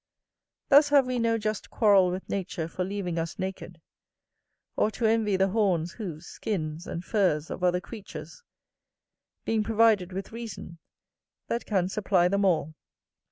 Thus have we no just quarrel with nature for leaving us naked; or to envy the horns, hoofs, skins, and furs of other creatures; being provided with reason, that can supply them all.